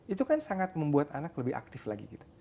itu kan sangat membuat anak lebih aktif lagi gitu